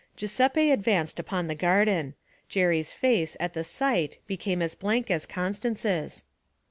Giuseppe advanced upon the garden. Jerry's face, at the sight, became as blank as Constance's.